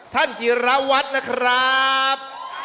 ท่านจิรวัตนะครับ